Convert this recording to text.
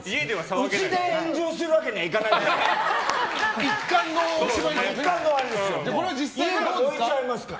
うちで炎上するわけにはいかないから。